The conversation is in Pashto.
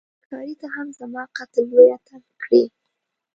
ښکاري ته هم زما قتل لوی اتل کړې